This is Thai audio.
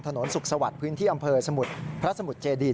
ถนนสุขสวัสดิ์พื้นที่อำเภอสมุทรพระสมุทรเจดี